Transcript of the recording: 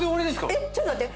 えっちょっと待って。